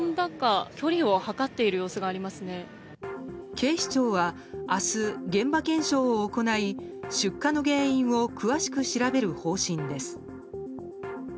警視庁は明日現場検証を行い出火の原因を詳しく調べる方針です。